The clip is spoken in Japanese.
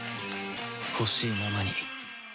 ほしいままに